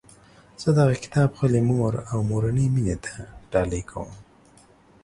زه دغه کتاب خپلي مور او مورنۍ میني ته ډالۍ کوم